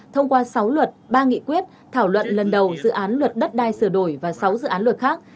thông qua sáu luật ba nghị quyết thảo luận lần đầu dự án luật đất đai sửa đổi và sáu dự án luật khác